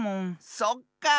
そっかあ。